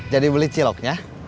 jadi beli ciloknya